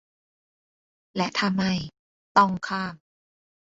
และถ้าไม่ "ต้อง" ข้าม